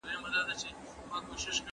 کرکه د ځان ساتنې وسیله ده.